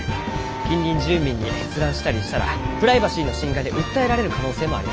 近隣住民に閲覧したりしたらプライバシーの侵害で訴えられる可能性もあります。